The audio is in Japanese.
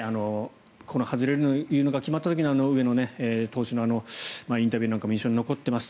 この外れるのが決まった時の上野投手のインタビューなんかも印象に残っています。